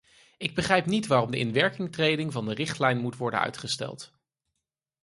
Ik begrijp niet waarom de inwerkingtreding van de richtlijn moet worden uitgesteld.